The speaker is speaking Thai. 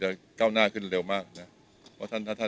ท่านค่ะในการในส่วนของการสอบส่วนของกระทรวงของหมอประทำเนินการไฟ